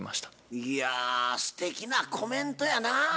いやすてきなコメントやな。